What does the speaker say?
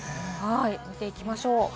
見ていきましょう。